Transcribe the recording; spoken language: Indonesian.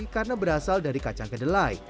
karena berasal dari kacang kedelai